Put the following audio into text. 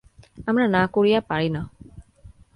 আমরা না করিয়া পারি না।